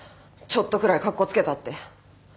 ちょっとくらいかっこつけたって。